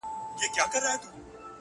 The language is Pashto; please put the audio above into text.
• کرۍ ورځ دلته آسونه ځغلېدله -